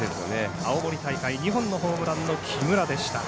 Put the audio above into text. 青森大会２本のホームランの木村でした。